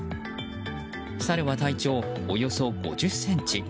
サルは体長およそ５０ｃｍ。